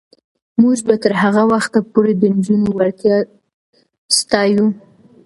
موږ به تر هغه وخته پورې د نجونو وړتیا ستایو.